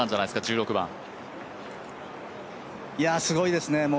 すごいですね。